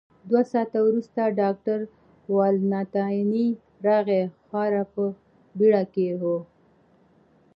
دوه ساعته وروسته ډاکټر والنتیني راغی، خورا په بېړه کې و.